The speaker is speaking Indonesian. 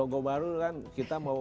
logo baru kan kita mau